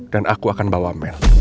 dan aku akan bawa mel